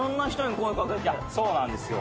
そうなんですよ。